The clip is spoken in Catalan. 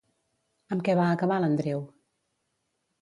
Amb què va acabar l'Andreu?